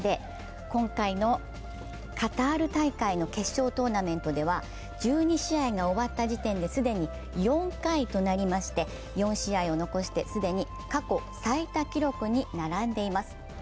今回のカタール大会の決勝トーナメントでは１２試合が終わった時点で既に４回となりまして４試合を残して既に過去最多記録に並んでいます。